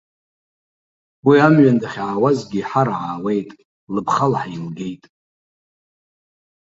Уи амҩан дахьаауазгьы ҳар аауеит, лыԥхала ҳаилгеит!